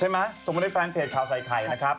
ใช่มะส่งมาในแฟนเพจข่าวใส่ใครนะครับ